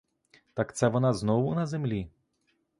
Так це вона знову на землі?